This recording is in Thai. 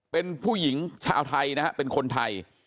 เป็นผู้หญิงชาวไทยนะฮะเป็นคนไทย